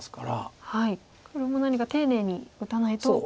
黒も何か丁寧に打たないと危ない。